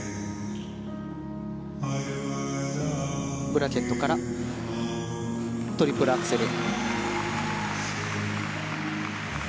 ブラケットからトリプルアクセル。